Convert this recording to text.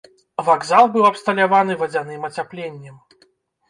Вакзал быў абсталяваны вадзяным ацяпленнем.